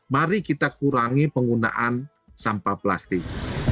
mari kita kurangi penggunaan sampah plastik